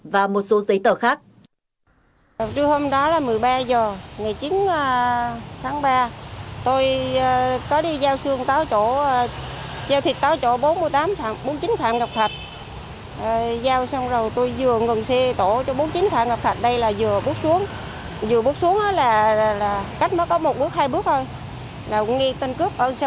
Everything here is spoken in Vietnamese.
và một số giấy tờ khác